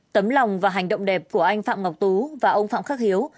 tấm lòng và hành động đẹp của anh phạm ngọc tú và ông phạm khắc hiếu